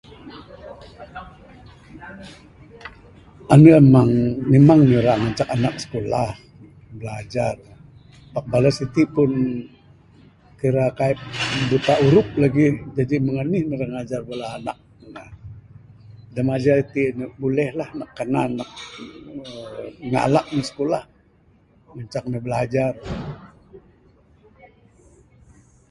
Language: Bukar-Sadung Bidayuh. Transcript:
Ami amang memang ne ira ngancak ne skulah, bilajar. Pak bala siti' pun kira kai' buta huruf lagi. Jaji mung anih mu' ra ngajar bala anak ne. Da ngajar iti' buleh lah, nak kanan nak ngalak ne skulah. Ngancak ne bilajar.